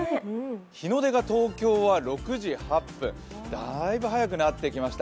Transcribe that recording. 日の出が東京は６時８分だいぶ早くなってきました。